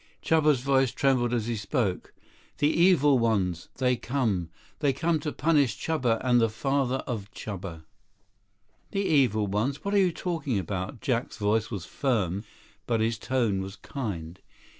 Chuba's voice trembled as he spoke. "The evil ones. They come. They come to punish Chuba and the father of Chuba." 50 "The evil ones? What are you talking about?" Jack's voice was firm, but his tone was kind.